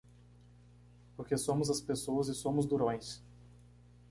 Porque somos as pessoas e somos durões!